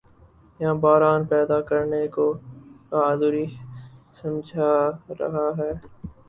یہاں بحران پیدا کرنے کو بہادری سمجھا جا رہا ہے۔